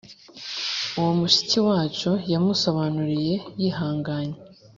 Uwo mushiki wacu yamusobanuriye yihanganye